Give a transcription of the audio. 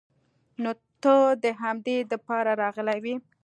نو ته د همدې د پاره راغلې وې.